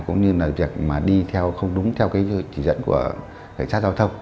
cũng như là việc mà đi theo không đúng theo cái chỉ dẫn của cảnh sát giao thông